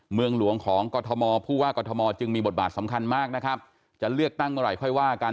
เมืองหลวงของกรทมผู้ว่ากรทมจึงมีบทบาทสำคัญมากนะครับจะเลือกตั้งเมื่อไหร่ค่อยว่ากัน